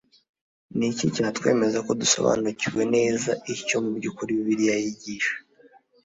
ni iki cyatwemeza ko dusobanukiwe neza icyo mu by ukuri bibiliya yigisha